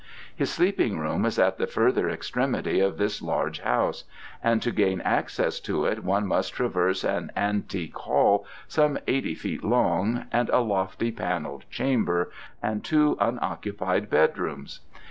His sleeping room is at the further extremity of this large house, and to gain access to it one must traverse an antique hall some eighty feet long and a lofty panelled chamber, and two unoccupied bedrooms.